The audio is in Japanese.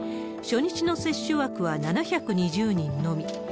初日の接種枠は７２０人のみ。